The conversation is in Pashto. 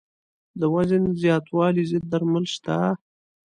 د وزن زیاتوالي ضد درمل شته.